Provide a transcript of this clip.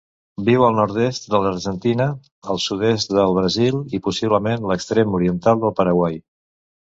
Viu al nord-est de l'Argentina, el sud-est del Brasil i, possiblement, l'extrem oriental del Paraguai.